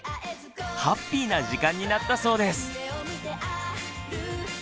ハッピーな時間になったそうです。